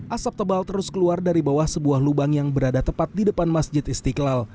asap tebal terus keluar dari bawah sebuah lubang yang berada tepat di depan masjid istiqlal